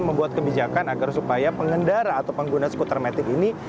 membuat kebijakan agar supaya pengendara atau pengguna scootermatic ini